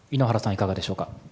いかがでしょうか？